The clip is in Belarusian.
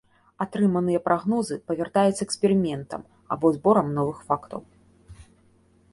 Атрыманыя прагнозы правяраюцца эксперыментам або зборам новых фактаў.